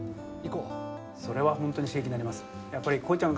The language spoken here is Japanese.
それは本当に刺激になりますよ。